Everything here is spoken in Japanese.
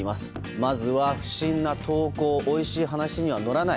まずは不審な投稿おいしい話には乗らない。